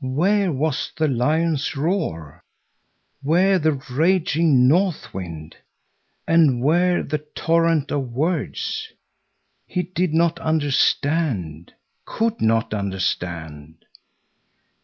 Where was the lion's roar? Where the raging north wind? And where the torrent of words? He did not understand, could not understand.